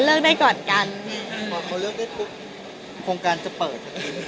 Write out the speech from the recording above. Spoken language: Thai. เลิกได้ก่อนกันคนกันจะเปิด